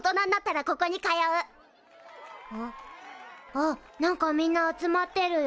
あっ何かみんな集まってるよ。